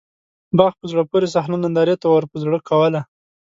باغ په زړه پورې صحنه نندارې ته ورپه زړه کوله.